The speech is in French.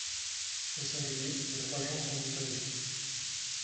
Au singulier, les trois genres sont distingués.